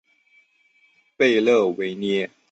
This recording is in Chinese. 贝勒维涅。